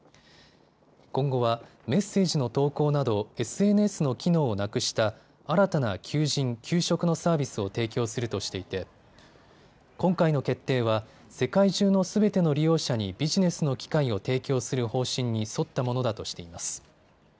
今後はメッセージの投稿などＳＮＳの機能をなくした新たな求人・求職のサービスを提供するとしていて今回の決定は世界中のすべての利用者にビジネスの機会を提供する方針に沿ったものだとしています。